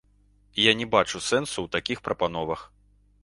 Я не бачу сэнсу ў такі прапановах.